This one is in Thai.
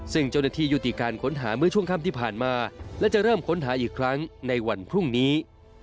ซึ่งเจ้าหน้าที่ยุติการค้นหาเมื่อช่วงค่ำที่ผ่านมาและจะเริ่มค้นหาอีกครั้งในวันพรุ่งนี้